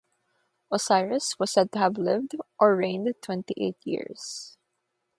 Osiris was said to have lived or reigned twenty-eight years.